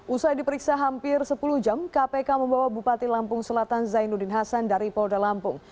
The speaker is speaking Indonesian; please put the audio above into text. usai diperiksa hampir sepuluh jam kpk membawa bupati lampung selatan zainuddin hasan dari polda lampung